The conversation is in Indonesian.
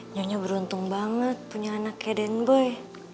nyonya beruntung banget punya anak kayak den boy